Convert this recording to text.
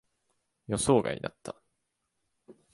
予想外だった。